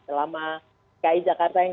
selama dki jakarta yang